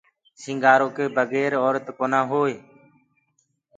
سينٚگآرو ڪي بگير اورَت اورَت ڪونآ هوئي۔